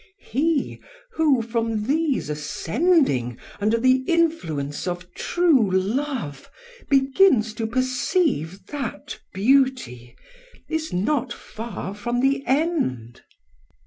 He who, from these ascending under the influence of true love, begins to perceive that beauty, is not far from the end.